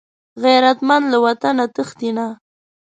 غیرتمند له وطنه تښتي نه